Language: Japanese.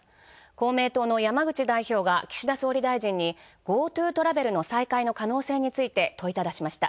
公明党の山口代表が岸田総理大臣にＧｏＴｏトラベルの再開の可能性に問いただしました。